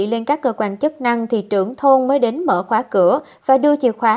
lên các cơ quan chức năng thì trưởng thôn mới đến mở khóa cửa và đưa chìa khóa